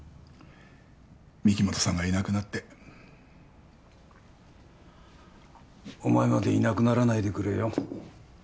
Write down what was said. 御木本さんがいなくなってお前までいなくならないでくれよ